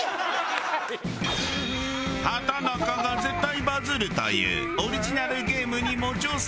畠中が絶対バズるというオリジナルゲームにも挑戦。